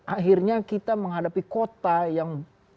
akhirnya kita menghadapi kota yang